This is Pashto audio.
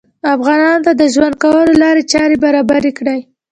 افغانانو ته د ژوند کولو لارې چارې برابرې کړې